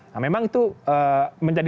nah memang itu menjadi tantangan untuk pemerintah